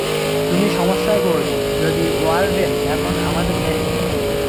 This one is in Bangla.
তুমি সমস্যায় পড়বে, যদি ওয়ার্ডেন এখন আমাদের দেখে।